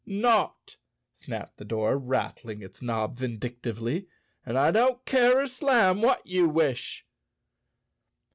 "Not!" snapped the door, rattling its knob vindic¬ tively. "And I don't care a slam what you wish."